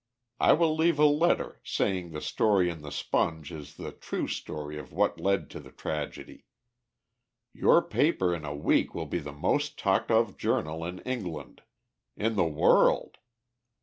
I will leave a letter, saying the story in the Sponge is the true story of what led to the tragedy. Your paper in a week will be the most talked of journal in England in the world.